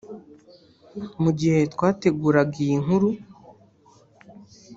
Mu gihe twateguraga iyi nkuru